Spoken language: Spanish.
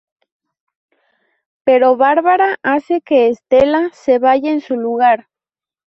Pero Barbara hace que Stella se vaya en su lugar.